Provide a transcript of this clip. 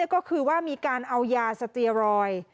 ก็คือว่ามีการเอายาสเตียรอยด์